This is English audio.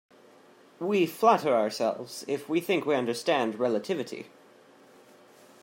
We flatter ourselves if we think we understand relativity.